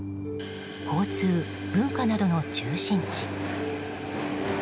交通、文化などの中心地。